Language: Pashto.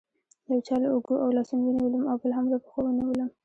یو چا له اوږو او لاسونو ونیولم او بل هم له پښو ونیولم.